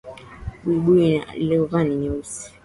Buibui aliyovaa ni nyeusi